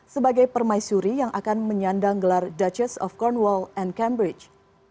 sebagai permaisuri yang akan menyandang gelar duchess of cornwall and cambridge